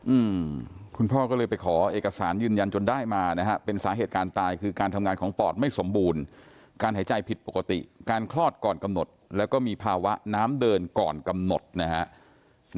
อืมคุณพ่อก็เลยไปขอเอกสารยืนยันจนได้มานะฮะเป็นสาเหตุการณ์ตายคือการทำงานของปอดไม่สมบูรณ์การหายใจผิดปกติการคลอดก่อนกำหนดแล้วก็มีภาวะน้ำเดินก่อนกำหนดนะฮะ